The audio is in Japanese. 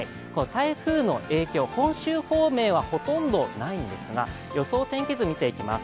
台風の影響、本州方面はほとんどないんですが、予想天気図を見ていきます。